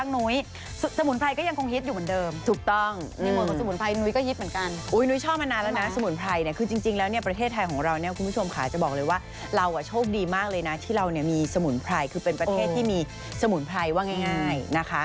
ในประเทศที่มีสมุนไพรว่าง่ายนะคะ